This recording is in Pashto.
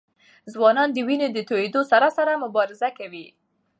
ځوانان د وینې د تویېدو سره سره مبارزه کوي.